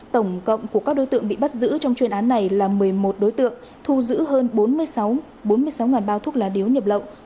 tổng cộng của các đối tượng bị bắt giữ trong chuyên án này là một mươi một đối tượng thu giữ hơn bốn mươi sáu bao thuốc lá điếu nhập lậu